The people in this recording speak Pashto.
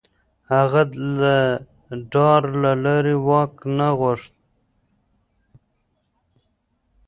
هغه د ډار له لارې واک نه غوښت.